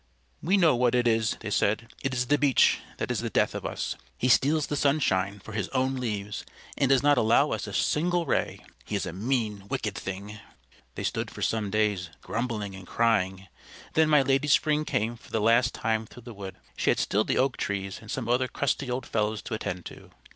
"We know what it is," they said. "It is the Beech that is the death of us. He steals the sunshine for his own leaves, and does not allow us a single ray. He is a mean, wicked thing." They stood for some days, grumbling and crying. Then my Lady Spring came for the last time through the wood. She had still the Oak Trees and some other crusty old fellows to attend to.